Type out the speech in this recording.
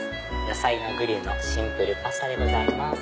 野菜のグリルのシンプルパスタでございます。